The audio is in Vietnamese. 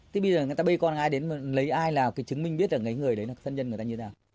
thì bây giờ người ta bê con ai đến lấy ai là chứng minh biết là người đấy là sân nhân người ta như thế nào